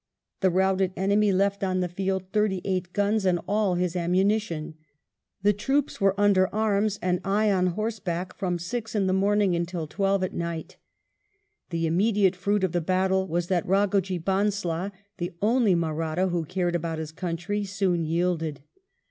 The routed enemy left on the field thirty eight guns and all his ammuiiition. " The troops were under arms, and I on horseback, from six in the morning until twelve at night" The immediate fruit of the battle was that Eagojee Bhonsla, "the only Mahratta who cared about his country," soon yielded.